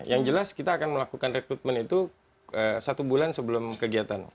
yang jelas kita akan melakukan rekrutmen itu satu bulan sebelum kegiatan